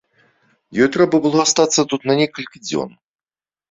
Ёй трэба было астацца тут на некалькі дзён.